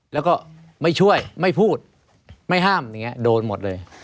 แล้วก็ไม่ช่วยไม่พูดไม่ห้ามอย่างนี้โดนหมดเลย